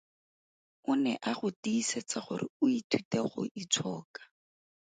O ne a go tiisetsa gore o ithute go itshoka.